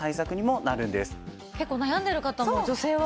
結構悩んでる方も女性は。